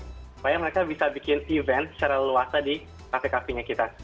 supaya mereka bisa bikin event secara luas di kafe kafe nya kita